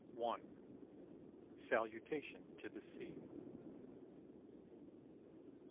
SALUTATION TO THE SEA.